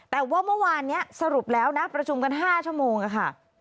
แต่ว่าเมื่อวานนี้สรุปแล้วนะประชุมกัน๕ชั่วโมงค่ะ